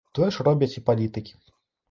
Тое ж робяць і палітыкі.